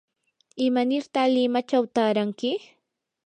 ¿imanirta limachaw taaranki?